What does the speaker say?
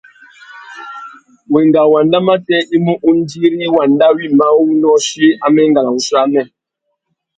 Wenga wanda matê i mú undiri wanda wïmá uwú nôchï a mú enga na wuchiô amê.